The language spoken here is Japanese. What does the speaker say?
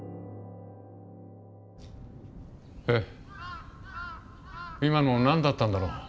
えっ今の何だったんだろう。